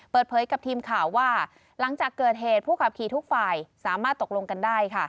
เปิดเผยกับทีมข่าวว่าหลังจากเกิดเหตุผู้ขับขี่ทุกฝ่ายสามารถตกลงกันได้ค่ะ